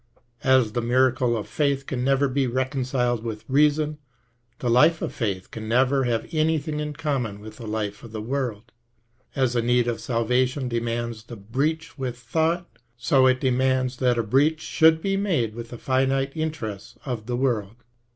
As the miracle of faith can never be reconciled with reason, the life of faith can never have anything in common with the life of the world ; as the need of salvation demands the breach with thought, so it demands that a breach should be made with the finite interests of the world.